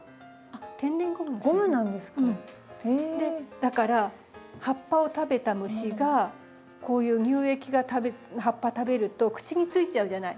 だから葉っぱを食べた虫がこういう乳液が葉っぱ食べると口についちゃうじゃない。